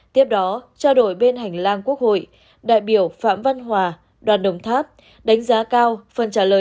tiếp đó trao đổi bên hành lang quốc hội đại biểu phạm văn hòa đoàn đồng tháp đánh giá cao phần trả lời